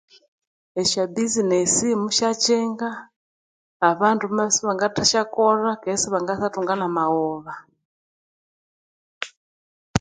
Esya bisinesi musya kyinga abandu bamabya isibangasyakolha keghi sibangasyathunga amaghoba